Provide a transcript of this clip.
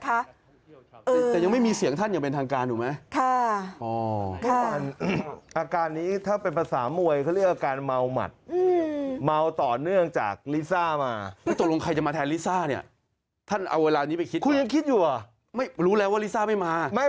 แต่ยังไม่มีเสียงท่านอย่างเป็นทางการอุ๊ยไหม